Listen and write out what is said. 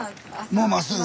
もうまっすぐ？